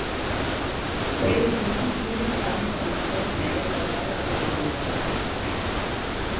Por último, Chyna es la única mujer en haber logrado este campeonato.